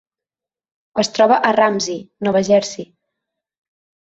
Es troba a Ramsey, Nova Jersey.